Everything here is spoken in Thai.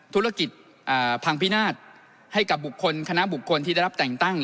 ธุรกิจพังพินาศให้กับบุคคลคณะบุคคลที่ได้รับแต่งตั้ง